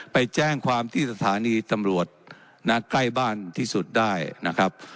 ไปแจ้งความที่สถานีตำรวจณใกล้บ้านที่สุดได้นะครับ